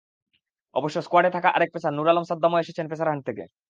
অবশ্য স্কোয়াডে থাকা আরেক পেসার নূর আলম সাদ্দামও এসেছেন পেসার হান্ট থেকে।